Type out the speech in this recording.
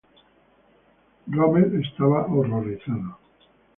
Rommel estaba horrorizado.